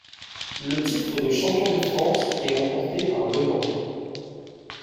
Le titre de champion de France est remporté par Le Mans.